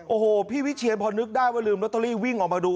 โอ้โหพี่วิเชียนพอนึกได้ว่าลืมลอตเตอรี่วิ่งออกมาดู